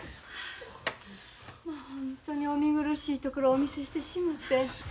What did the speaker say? まあ本当にお見苦しいところをお見せしてしもて。